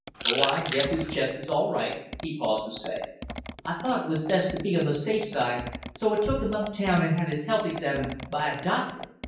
"Oh, I guess his chest is all right!" he paused to say. "I thought it was best to be on the safe side, so I took him up town and had his health examined by a doctor.